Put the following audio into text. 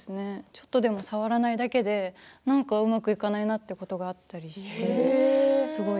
ちょっと触らないだけでなんかうまくいかないなということがあって。